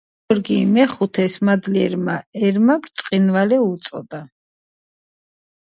ლიტრის მასური ოდენობის ზრდამ განაპირობა კოდის ტევადობის ზრდაც.